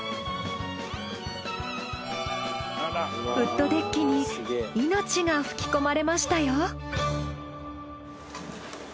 ウッドデッキに命が吹きこまれましたよ。